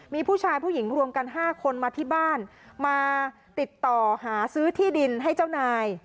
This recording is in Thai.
มีผู้ชายผู้หญิงรวมกัน๕คนมาที่บ้านมาติดต่อหาซื้อที่ดินให้เจ้านาย